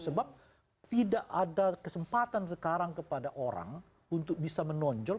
sebab tidak ada kesempatan sekarang kepada orang untuk bisa menonjol